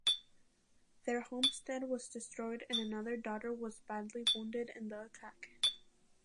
Their homestead was destroyed and another daughter was badly wounded in the attack.